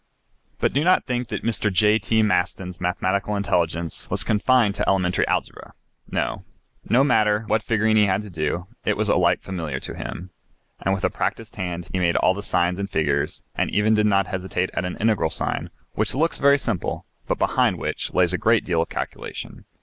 But do not think that Mr. J.T. Maston's mathematical intelligence was confined to elementary algebra! No; no matter what figuring he had to do, it was alike familiar to him, and with a practised hand he made all the signs and figures, and even did not hesitate at ? which looks very simple, but behind which lays a great deal of calculation.